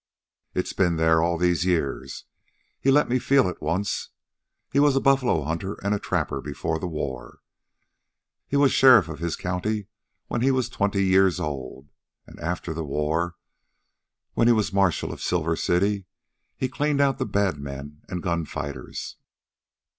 It's been there all these years. He let me feel it once. He was a buffalo hunter and a trapper before the war. He was sheriff of his county when he was twenty years old. An' after the war, when he was marshal of Silver City, he cleaned out the bad men an' gun fighters.